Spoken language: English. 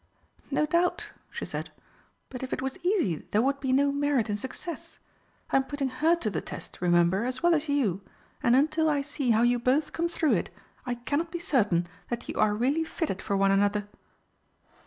"No doubt," she said. "But if it was easy there would be no merit in success. I am putting her to the test, remember, as well as you, and until I see how you both come through it, I cannot be certain that you are really fitted for one another."